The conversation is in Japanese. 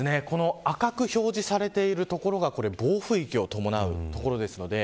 赤く表示されている所が暴風域を伴う所です。